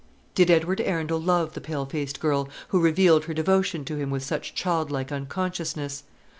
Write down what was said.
Did Edward Arundel love the pale faced girl, who revealed her devotion to him with such childlike unconsciousness?